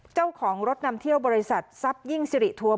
เจ้าของรถนำเที่ยวบริษัททรัพยิ่งสิริทัวร์